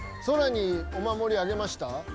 ソラにお守りあげました？